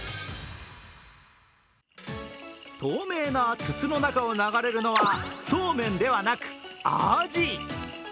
透明な筒の中を流れるのは、そうめんではなく、アジ。